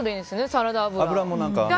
サラダ油。